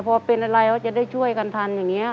พอเป็นอะไรเขาจะได้ช่วยกันทันอย่างนี้